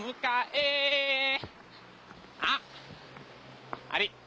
あっあれ？